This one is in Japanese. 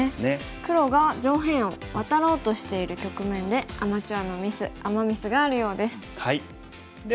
黒が上辺をワタろうとしている局面でアマチュアのミスアマ・ミスがあるようです。